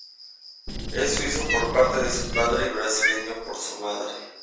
Es suizo por parte de su padre y brasileño por su madre.